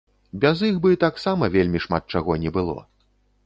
Без іх бы таксама вельмі шмат чаго не было.